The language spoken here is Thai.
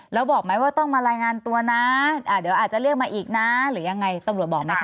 แล้วบอกไหมว่าต้องมารายงานตัวนะเดี๋ยวอาจจะเรียกมาอีกนะหรือยังไงตำรวจบอกไหมคะ